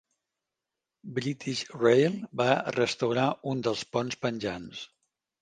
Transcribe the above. British Rail va restaurar un dels ponts penjants.